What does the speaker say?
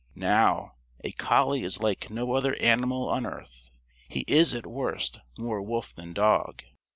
Now, a collie is like no other animal on earth. He is, at worst, more wolf than dog.